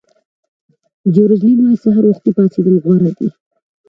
جیورج الین وایي سهار وختي پاڅېدل غوره دي.